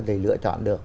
thì lựa chọn được